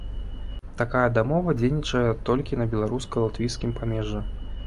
Такая дамова дзейнічае толькі на беларуска-латвійскім памежжы.